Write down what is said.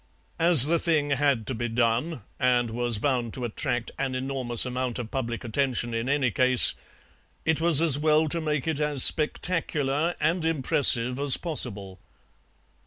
As the thing had to be done, and was bound to attract an enormous amount of public attention in any case, it was as well to make it as spectacular and impressive as possible.